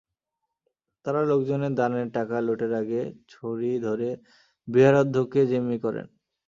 তাঁরা লোকজনের দানের টাকা লুটের আগে ছুরি ধরে বিহারাধক্ষ্যকে জিন্মি করেন।